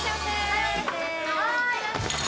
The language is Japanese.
はい！